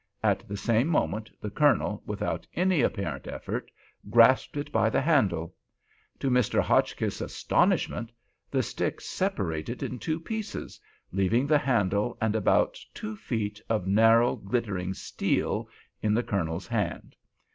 At the same moment the Colonel, without any apparent effort, grasped it by the handle. To Mr. Hotchkiss's astonishment, the stick separated in two pieces, leaving the handle and about two feet of narrow glittering steel in the Colonel's hand.